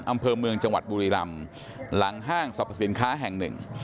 อำเภอเมืองจังหวัดบุรีรำหลังห้างสรรพสินค้าแห่งหนึ่ง